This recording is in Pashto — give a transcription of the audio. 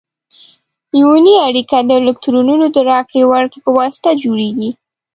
ایوني اړیکه د الکترونونو د راکړې ورکړې په واسطه جوړیږي.